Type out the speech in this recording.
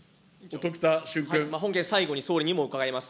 本件、最後に総理にも伺います。